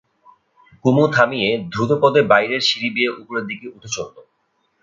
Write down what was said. কুমু থামিয়ে দ্রুতপদে বাইরের সিঁড়ি বেয়ে উপরের দিকে উঠে চলল।